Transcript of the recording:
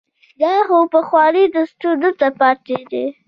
دا خو پخوانی دستور دلته پاتې دی.